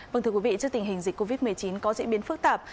vâng thưa quý vị trước tình hình dịch covid một mươi chín có diễn biến phức tạp